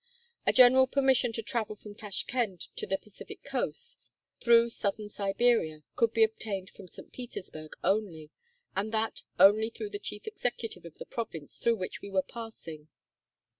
A general permission to travel from Tashkend to the Pacific coast, through southern Siberia, could be obtained from St. Petersburg only, and that only through the chief executive of the province through which we were passing.